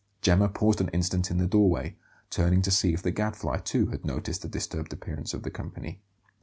Gemma paused an instant in the doorway, turning to see if the Gadfly, too, had noticed the disturbed appearance of the company.